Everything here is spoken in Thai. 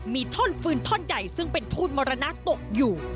มีท่อนฟืนท่อนใหญ่ซึ่งเป็นทูตมรณะตกอยู่